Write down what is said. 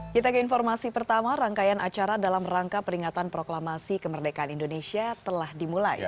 kita ke informasi pertama rangkaian acara dalam rangka peringatan proklamasi kemerdekaan indonesia telah dimulai